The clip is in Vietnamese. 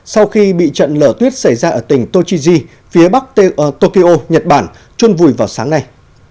sau khi bị trận lở tuyết xảy ra ở tỉnh tochiji phía bắc tokyo nhật bản trôn vùi vào sáng nay